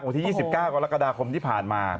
วันที่๒๙กรกฎาคมที่ผ่านมา